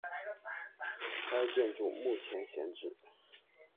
该建筑目前闲置。